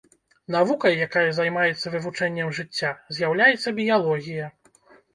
Навукай, якая займаецца вывучэннем жыцця, з'яўляецца біялогія.